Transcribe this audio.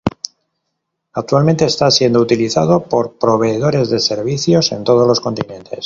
Actualmente está siendo utilizado por proveedores de servicios en todos los continentes.